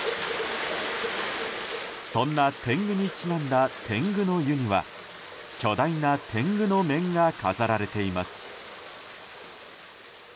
そんな天狗にちなんだ天狗の湯には巨大な天狗の面が飾られています。